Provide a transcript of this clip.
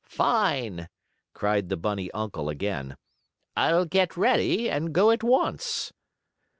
"Fine!" cried the bunny uncle again. "I'll get ready and go at once."